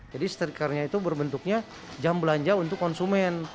jadi stikernya itu berbentuknya jam belanja untuk konsumen